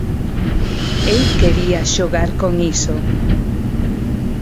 Eu quería xogar con iso.